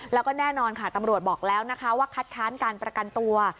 แล้วก็แน่นอนค่ะตำรวจบอกแล้วนะคะว่าคัดค้านการประกันตัว